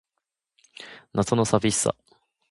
夏の淋しさ